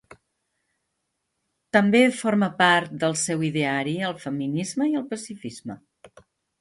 També forma part del seu ideari el feminisme i el pacifisme.